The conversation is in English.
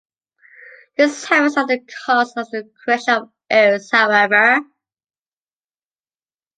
This happens at the cost of the correction of errors, however.